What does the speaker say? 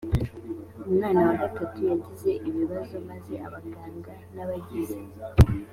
umwana wa gatatu yagize ibibazo maze abaganga n abagize